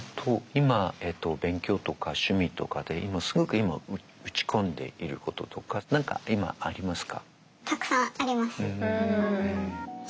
今勉強とか趣味とかですごく今打ち込んでいることとか何か今ありますか？